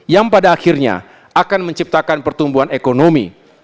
yang pada akhirnya akan menciptakan pertumbuhan ekonomi